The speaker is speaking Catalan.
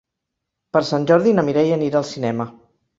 Per Sant Jordi na Mireia anirà al cinema.